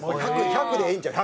１００でええんちゃう？